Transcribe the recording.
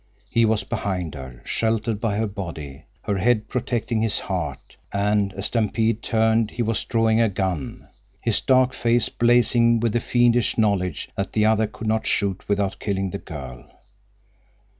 He was behind her, sheltered by her body, her head protecting his heart, and as Stampede turned he was drawing a gun, his dark face blazing with the fiendish knowledge that the other could not shoot without killing the girl.